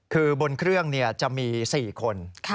คือบนเครื่องจะมี๔คน